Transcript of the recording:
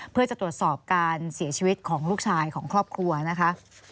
เพื่อจะตรวจสอบการเสียชีวิตของลูกชายของครอบครัวนะคะ